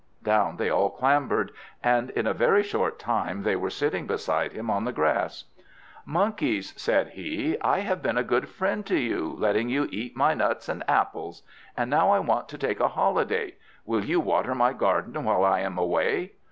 Down they all clambered, and in a very short time they were sitting beside him on the grass. "Monkeys," said he, "I have been a good friend to you, letting you eat my nuts and apples. And now I want to take a holiday. Will you water my garden while I am away?"